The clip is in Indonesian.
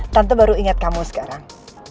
tante baru ingat kamu sekarang